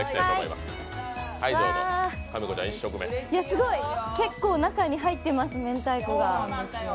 すごい、結構中に入ってます、明太子が。